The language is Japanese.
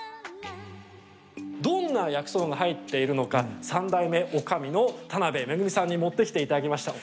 どんな薬草が入ってるのか３代目おかみの田邉恵さんに持ってきていただきました。